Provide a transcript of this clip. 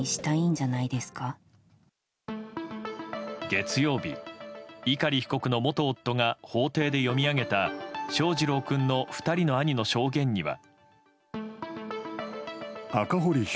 月曜日、碇被告の元夫が法廷で読み上げた翔士郎君の２人の兄の証言には。